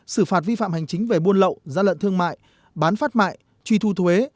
xử phạt vi phạm hành chính về buôn lậu gian lận thương mại bán phát mại truy thu thuế